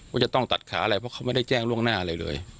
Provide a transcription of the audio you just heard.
ว่าจะต้องตัดขาอะไรเพราะเขาไม่ได้แจ้งล่วงหน้าอะไรเลย